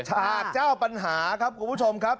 ฉากเจ้าปัญหาครับคุณผู้ชมครับ